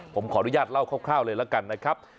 ผมขออนุญาตเล่าคร่าวเลยละกันนะครับ